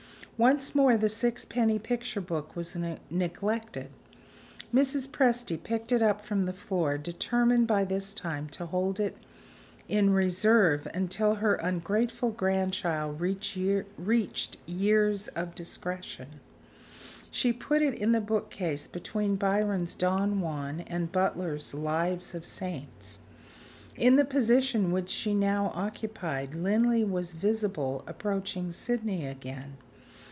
Once more the sixpenny picture book was neglected. Mrs. Presty picked it up from the floor, determined by this time to hold it in reserve until her ungrateful grandchild reached years of discretion. She put it in the bookcase between Byron's "Don Juan" and Butler's "Lives of the Saints." In the position which she now occupied, Linley was visible approaching Sydney again.